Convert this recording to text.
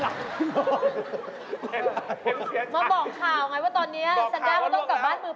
มาบอกข่าวไงว่าตอนนี้สานด้าจะต้องมากลายนรก